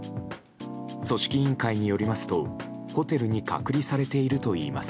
組織委員会によりますとホテルに隔離されているといいます。